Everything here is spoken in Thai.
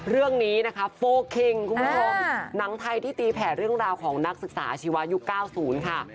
เรื่องนี้นะคะนังไทยที่ตีแผ่เรื่องราวของนักศึกษาชีวายุคเกล้าศูนย์ค่ะ